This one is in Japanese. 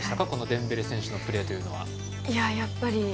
デンベレ選手のプレーというのは。